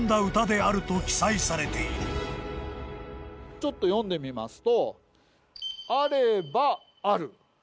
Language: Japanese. ちょっと読んでみますと。